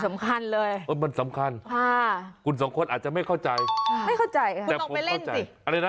จริงค่ะมันสำคัญเลยค่ะคุณสองคนอาจจะไม่เข้าใจแต่ผมเข้าใจอะไรนะ